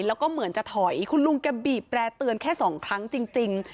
แล้วก็เหมือนจะถอยคุณลุงแกบีบแร่เตือนแค่สองครั้งจริง